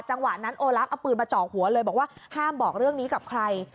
จังหวะนั้นโอลักษ์เอาปืนมาเจาะหัวเลยบอกว่าห้ามบอกเรื่องนี้กับใคร